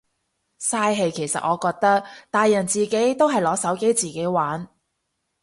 嘥氣其實我覺得，大人自己都係攞手機自己玩。